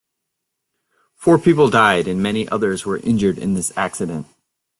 Four people died and many others were injured in this accident.